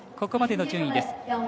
ここまでの順位です。